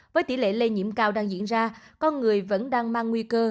với tỷ lệ lây nhiễm cao đang diễn ra con người vẫn đang mang nguy cơ